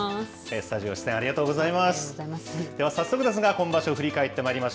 スタジオ出演ありがとうござありがとうございます。